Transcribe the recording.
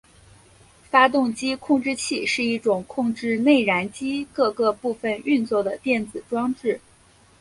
发动机控制器是一种控制内燃机各个部分运作的电子装置。